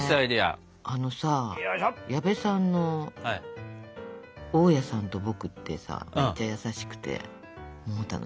あのさ矢部さんの「大家さんと僕」ってさめっちゃ優しくてもう楽しい。